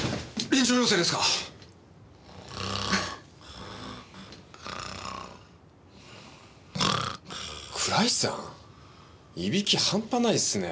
臨場要請ですね。